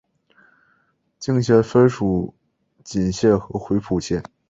县境分属鄞县和回浦县。